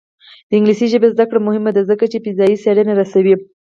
د انګلیسي ژبې زده کړه مهمه ده ځکه چې فضايي څېړنې رسوي.